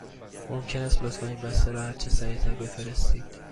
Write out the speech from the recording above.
ممکن است لطفاً این بسته را هرچه سریع تر بفرستید؟